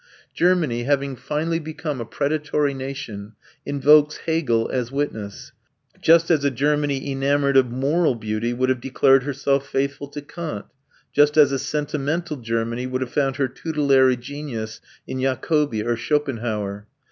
Germany, having finally become a predatory nation, invokes Hegel as witness; just as a Germany enamoured of moral beauty would have declared herself faithful to Kant, just as a sentimental Germany would have found her tutelary genius in Jacobi or Schopenhauer.